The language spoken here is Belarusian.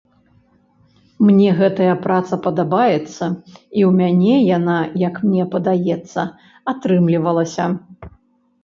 Мне гэтая праца падабаецца і ў мяне яна, як мне падаецца, атрымлівалася.